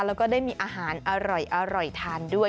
แล้วก็ได้มีอาหารอร่อยทานด้วย